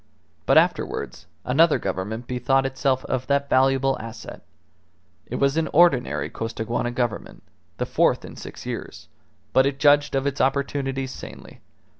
But afterwards another Government bethought itself of that valuable asset. It was an ordinary Costaguana Government the fourth in six years but it judged of its opportunities sanely.